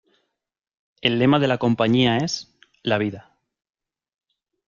El lema de la compañía es: "La vida.